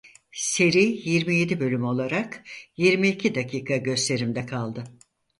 Seri yirmi yedi bölüm olarak yirmi iki dakika gösterimde kaldı.